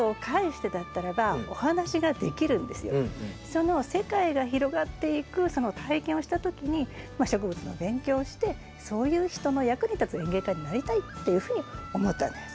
その世界が広がっていく体験をした時に植物の勉強をしてそういう人の役に立つ園芸家になりたいっていうふうに思ったんです。